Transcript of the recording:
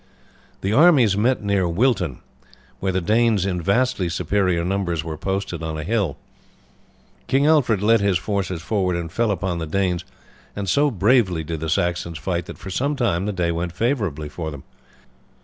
The armies met near Wilton, where the Danes in vastly superior numbers were posted on a hill. King Alfred led his forces forward and fell upon the Danes, and so bravely did the Saxons fight that for some time the day went favourably for them.